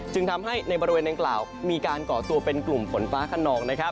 จึงทำให้ในบริเวณดังกล่าวมีการก่อตัวเป็นกลุ่มฝนฟ้าขนอง